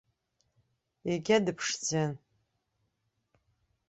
Егьа дыԥшӡан.